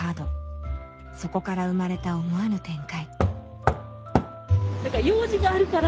そこから生まれた思わぬ展開。